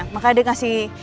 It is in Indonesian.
maka dia ngasih